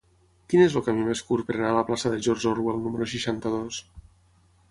Quin és el camí més curt per anar a la plaça de George Orwell número seixanta-dos?